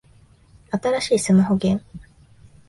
新しいスマホゲーム